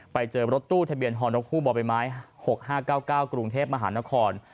ไปเจอรถตู้ทะเบียนฮฮบม๖๕๙๙กรุงเทพฯมหานคร